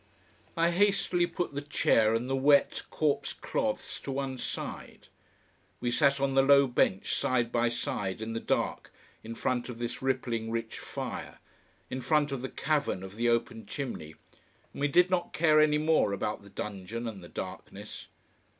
I hastily put the chair and the wet corpse cloths to one side. We sat on the low bench side by side in the dark, in front of this rippling rich fire, in front of the cavern of the open chimney, and we did not care any more about the dungeon and the darkness.